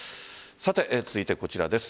続いてこちらです。